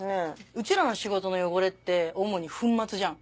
うちらの仕事の汚れって主に粉末じゃん？